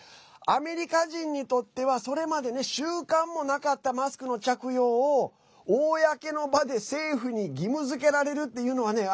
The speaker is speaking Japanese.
アメリカ人にとってはそれまで習慣もなかったマスクの着用を公の場で政府に義務づけられるっていうのはね